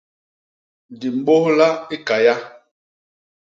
Di mbôhla i Kaya.